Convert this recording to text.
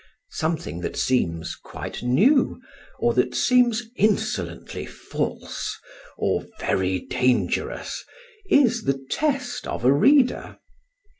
Something that seems quite new, or that seems insolently false or very dangerous, is the test of a reader.